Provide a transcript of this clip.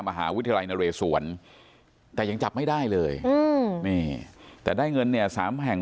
มหาวิทยาลัยนเรศวรแต่ยังจับไม่ได้เลยอืมนี่แต่ได้เงินเนี่ย๓แห่ง